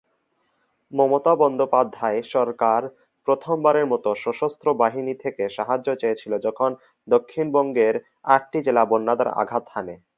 মমতা বন্দ্যোপাধ্যায় সরকার প্রথমবারের মতো সশস্ত্র বাহিনী থেকে সাহায্য চেয়েছিল যখন দক্ষিণ বঙ্গের আটটি জেলা বন্যা দ্বারা আঘাত হানে।